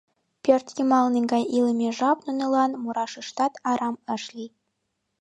Пӧртйымалне гай илыме жап нунылан мурашыштат арам ыш лий.